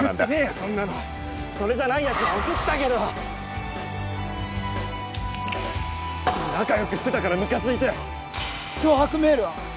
そんなのそれじゃないやつは送ったけど仲よくしてたからムカついて脅迫メールは？